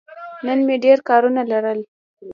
نن مې ډېر کارونه لرل.